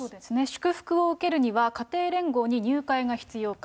祝福を受けるには家庭連合に入会が必要か。